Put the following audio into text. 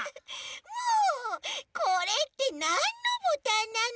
もうこれってなんのボタンなの？